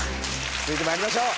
続いて参りましょう。